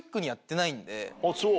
あっそう。